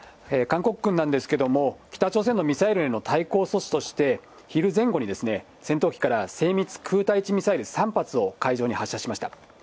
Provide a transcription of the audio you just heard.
韓国軍なんですけれども、北朝鮮のミサイルへの対抗措置として、昼前後に、戦闘機から精密空対地ミサイル３発を海上に発射しました。